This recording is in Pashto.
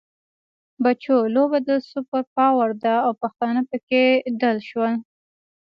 بچو! لوبه د سوپر پاور ده او پښتانه پکې دل شول.